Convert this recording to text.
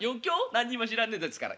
何にも知らねえんですから。